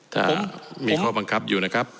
ถ้ามีข้อบังคับอยู่นะครับ